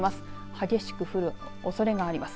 激しく降るおそれがあります。